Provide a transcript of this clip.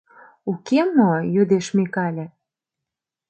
— Уке мо? — йодеш Микале.